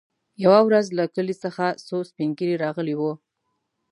يوه ورځ له کلي څخه څو سپين ږيري راغلي وو.